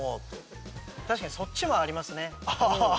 確かにそっちもありますね。